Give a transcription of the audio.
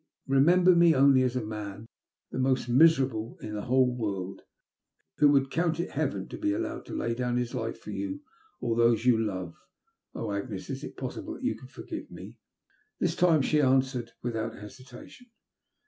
Fiomember me only as a man, the most miserable in the whole world, who would count it heaven to be allowed to lay down his life for you or those you love. Oh, Agnes ! is it possible that you can forgive me ?*' This time she answered without hesitation.